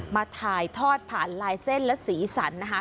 มาถ่ายทอดผ่านลายเส้นและสีสันนะคะ